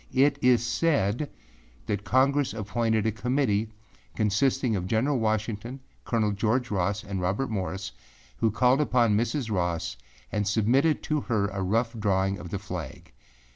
It is said that Congress appointed a Committee consisting of General Washington, Col. George Ross and Robert Morris, who called upon Mrs. Ross and submitted to her a rough drawing of the flag.